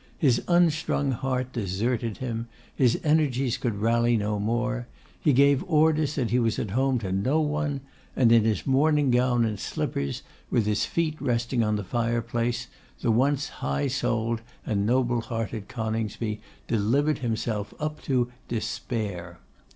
His unstrung heart deserted him. His energies could rally no more. He gave orders that he was at home to no one; and in his morning gown and slippers, with his feet resting on the fireplace, the once high souled and noble hearted Coningsby delivered himself up to despair.